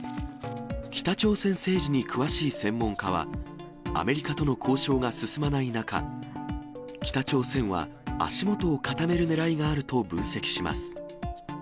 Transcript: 北朝鮮政治に詳しい専門家は、アメリカとの交渉が進まない中、北朝鮮は足元を固めるねらいがあると分析します。